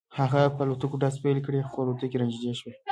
هغه په الوتکو ډزې پیل کړې خو الوتکې رانږدې شوې